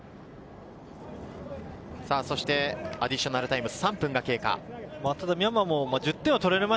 そして、アディショナルタイム３分が経過。